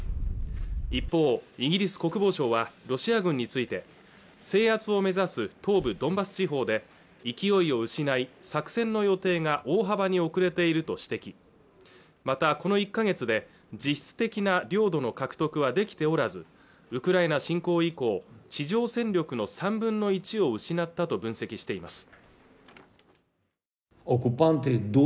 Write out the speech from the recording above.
一方イギリス国防省はロシア軍について制圧を目指す東部ドンバス地方で勢いを失い作戦の予定が大幅に遅れていると指摘またこの１ヶ月で実質的な領土の獲得はできておらずウクライナ侵攻以降地上戦力の３分の１を失ったと分析しています